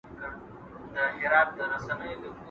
همداسي به دي غوره بنده جوړ کړي.